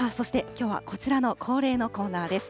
そしてきょうはこちらの恒例のコーナーです。